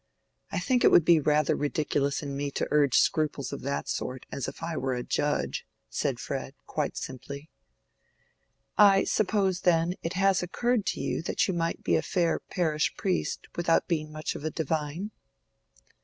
I think it would be rather ridiculous in me to urge scruples of that sort, as if I were a judge," said Fred, quite simply. "I suppose, then, it has occurred to you that you might be a fair parish priest without being much of a divine?"